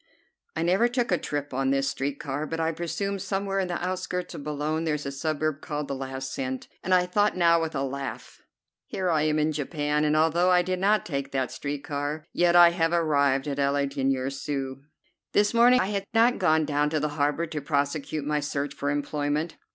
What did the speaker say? I never took a trip on this street car, but I presume somewhere in the outskirts of Boulogne there is a suburb named "The Last Cent," and I thought now with a laugh: "Here I am in Japan, and although I did not take that street car, yet I have arrived at 'Le Dernier Sou.'" This morning I had not gone down to the harbor to prosecute my search for employment.